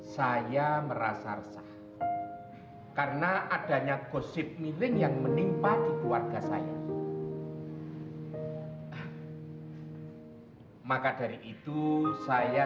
sampai jumpa di video selanjutnya